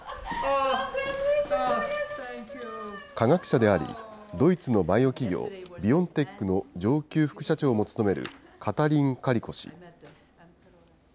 科学者であり、ドイツのバイオ企業、ビオンテックの上級副社長も務めるカタリン・カリコ氏。